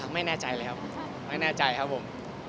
ไม่แน่ใจเลยครับไม่แน่ใจครับผม